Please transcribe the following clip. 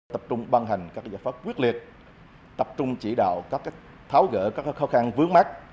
tập trung ban hành các giải phóng quyết liệt tập trung chỉ đạo tháo gỡ các khó khăn vướng mát